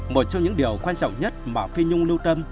một trong những điều quan trọng nhất mà phi nhung lưu tâm